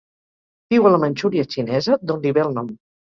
Viu a la Manxúria xinesa, d'on li ve el nom.